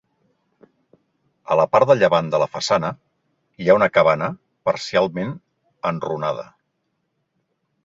A la part de llevant de la façana hi ha una cabana parcialment enrunada.